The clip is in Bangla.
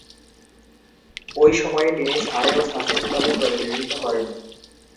ঐ সময়ে তিনি সারে ও সাসেক্স দলের প্রতিনিধিত্ব করেন।